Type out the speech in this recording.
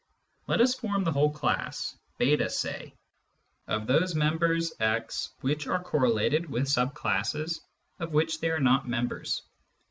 Let us form the whole class, j3 say, of those members x which are correlated with sub classes of which they are not members.